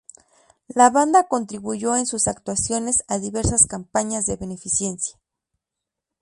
La banda contribuyó con sus actuaciones a diversas campañas de beneficencia.